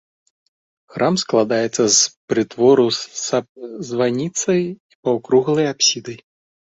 Храм складаецца з прытвору са званіцай і паўкруглай апсідай.